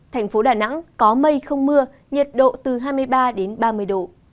thành phố đà nẵng có mây không mưa nhiệt độ từ hai mươi ba đến ba mươi độ